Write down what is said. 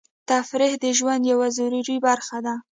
تفریح د ژوند یوه ضروري برخه ده.